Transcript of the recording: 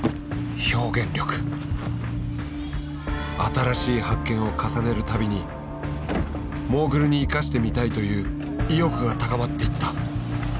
新しい発見を重ねる度にモーグルに生かしてみたいという意欲が高まっていった。